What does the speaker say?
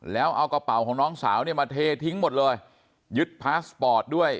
แล้วเอากระเป๋าของน้องสาวเนี่ยมาเททิ้งหมดเลยยึดพาสปอร์ตด้วย